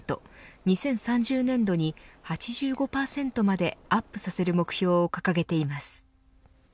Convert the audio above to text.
２０３０年度に８５％までアップさせる目標を掲げています。